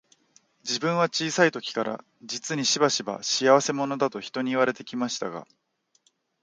自分は小さい時から、実にしばしば、仕合せ者だと人に言われて来ましたが、